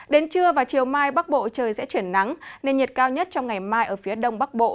đến trưa và chiều mai bắc bộ trời sẽ chuyển nắng nên nhiệt cao nhất trong ngày mai ở phía đông bắc bộ